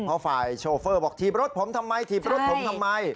เพราะฝ่ายโชเฟอร์บอกถีบรถผมทำไมถีบรถผมทำไม